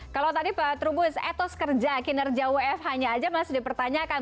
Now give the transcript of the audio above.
kalau tadi pak trubus etos kerja kinerja wfh nya aja masih dipertanyakan